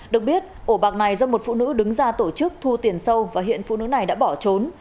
được biết ổ bạc này do một phụ nữ đứng ra tổ chức thu tiền sâu và hiện phụ nữ này đã bỏ trốn